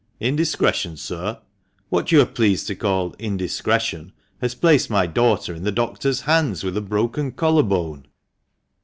"Indiscretion, sir? What you are pleased to call 'indiscretion' has placed my daughter in the doctor's hands with a broken collar bone."